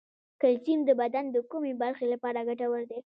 کلسیم د بدن د کومې برخې لپاره ګټور دی